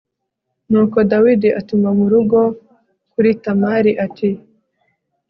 Nuko Dawidi atuma mu rugo kuri Tamari ati